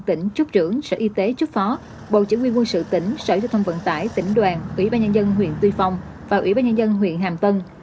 tỉnh chúc trưởng sở y tế trước phó bộ chỉ huy quân sự tỉnh sở giao thông vận tải tỉnh đoàn ủy ban nhân dân huyện tuy phong và ủy ban nhân dân huyện hàm tân